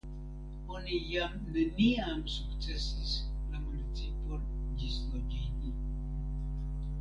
Oni jam neniam sukcesis la municipon ĝisloĝigi.